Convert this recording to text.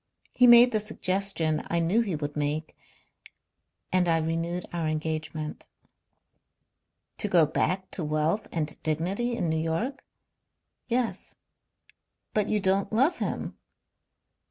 He made the suggestion I knew he would make, and I renewed our engagement." "To go back to wealth and dignity in New York?" "Yes." "But you don't love him?"